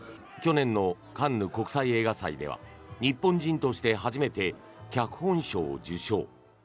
去年のカンヌ国際映画祭では日本人として初めて脚本賞を受賞。